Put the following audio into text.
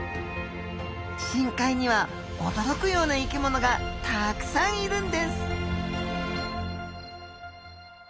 深海には驚くような生きものがたくさんいるんです。